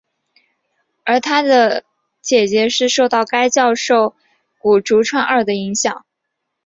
而他的姊姊是受到该校教授古川竹二的影响。